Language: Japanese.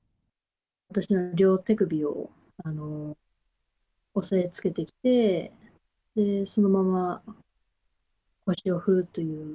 私の両手首を押さえつけてきて、そのまま腰を振るという。